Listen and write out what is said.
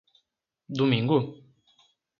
Domingo?